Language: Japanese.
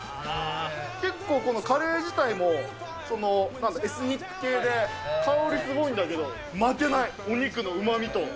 結構このカレー自体も、エスニック系で、香りすごいんだけど、負けない、お肉のうまみと。